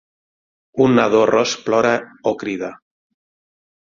Un nadó ros plora o crida.